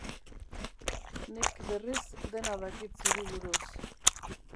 Nik, berriz, dena dakit zuri buruz.